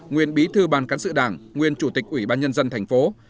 nguyên bí thư ban cán sự đảng nguyên chủ tịch ủy ban nhân dân tp hcm